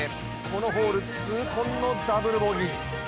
このホール痛恨のダブルボギー。